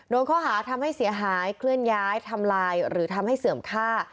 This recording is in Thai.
โดนข้อหาทำให้เสียหายเคลื่อนย้ายทำลายหรือทำให้เสื่อมค่า